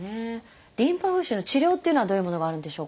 リンパ浮腫の治療っていうのはどういうものがあるんでしょうか？